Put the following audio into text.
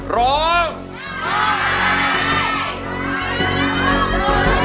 ร้อง